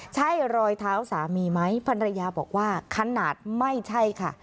ใช่รอยเท้าสามีไหมภรรยาบอกว่าขนาดไม่ใช่ค่ะ